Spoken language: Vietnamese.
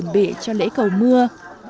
đã tất bật chuẩn bị cho lễ cầu mưa